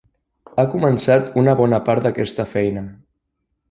Ha començat una bona part d"aquesta feina.